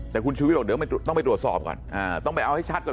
ก็คุณชุวิตล่ะต้องไปรับตรวจสอบก่อน